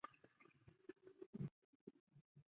黄包车的车轮也全部被改换。